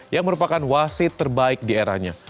yang merupakan wasit terbaik di eranya